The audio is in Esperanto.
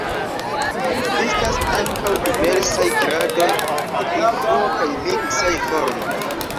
Ekzistas ankaŭ diversaj gradoj de influo kaj miksaj formoj.